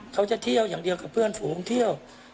เขาจะเที่ยวอย่างเดียวกับเพื่อนฝูงเที่ยว